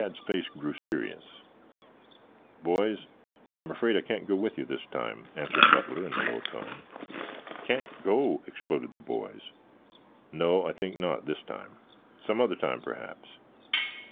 Tad's face grew serious. "Boys, I'm afraid I can't go with you this time," answered Butler in a low tone. "Can't go?" exploded the boys. "No, I think not, this time. Some other time, perhaps."